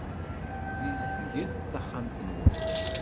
Ssizdget taxxamt-nwen.